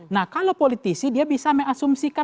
nah kalau politisi dia bisa mengasumsikan